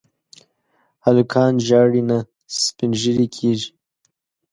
هلکان ژاړي نه، سپين ږيري کيږي.